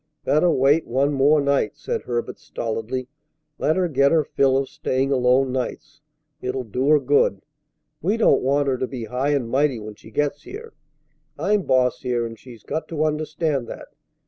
"Better wait one more night," said Herbert stolidly. "Let her get her fill of staying alone nights. It'll do her good. We don't want her to be high and mighty when she gets here. I'm boss here, and she's got to understand that.